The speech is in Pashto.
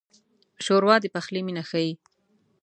ښوروا د پخلي مینه ښيي.